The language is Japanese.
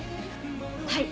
はい。